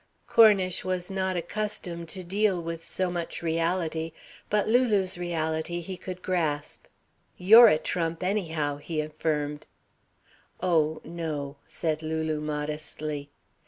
Cornish was not accustomed to deal with so much reality. But Lulu's reality he could grasp. "You're a trump anyhow," he affirmed. "Oh, no," said Lulu modestly.